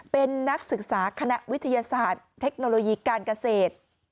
เป็นนักศึกษาคณะวิทยาศาสตร์เทคโนโลยีการเกษตร